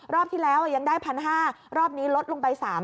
รอบที่แล้วยังได้๑๕๐๐รอบนี้ลดลงไป๓๐๐